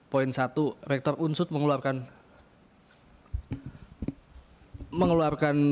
poin satu rektor unsut mengeluarkan